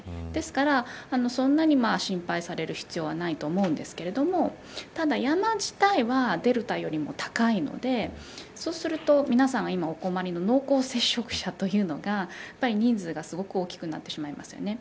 ですから、そんなに心配される必要はないと思うんですがただ、山自体はデルタよりも高いのでそうすると皆さんが今お困りの濃厚接触者というのが人数がすごく大きくなってしまいます。